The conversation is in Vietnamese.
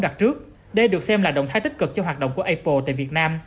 đây được xem là động thái tích cực cho hoạt động của apple tại việt nam